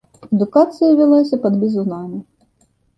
Адукацыя вялася пад бізунамі.